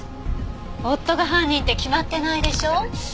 夫が犯人って決まってないでしょう。